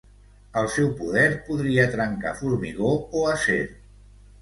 El seu poder podria trencar formigó o acer.